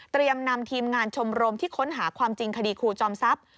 นำทีมงานชมรมที่ค้นหาความจริงคดีครูจอมทรัพย์